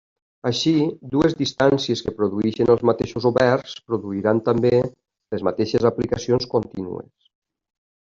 Així, dues distàncies que produeixin els mateixos oberts, produiran també les mateixes aplicacions contínues.